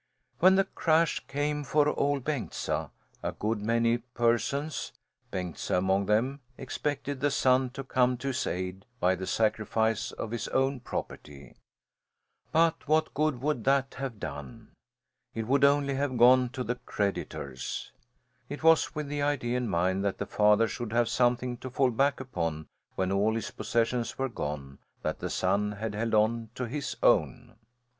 When the crash came for Ol' Bengtsa, a good many persons, Bengtsa among them, expected the son to come to his aid by the sacrifice of his own property. But what good would that have done? It would only have gone to the creditors. It was with the idea in mind that the father should have something to fall back upon when all his possessions were gone, that the son had held on to his own.